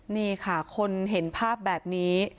นี่ค่ะคนเห็นภาพแบบนี้